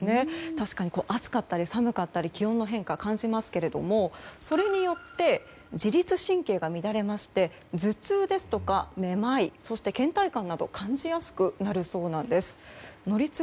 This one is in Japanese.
確かに暑かったり寒かったり気温の変化を感じますがそれによって自律神経が乱れまして頭痛ですとかめまい、倦怠感など感じやすくなるそうなんです。